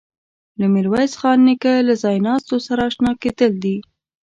له میرویس خان نیکه له ځایناستو سره آشنا کېدل دي.